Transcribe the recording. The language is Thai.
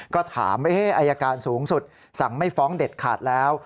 ก็ถามอายการสูงสุดสั่งไม่ฟ้องเด็ดขาดแล้ว